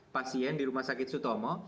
pasien di rumah sakit sutomo